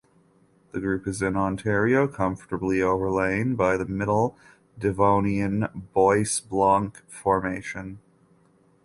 The group is in Ontario conformably overlain by the Middle Devonian Bois Blanc Formation.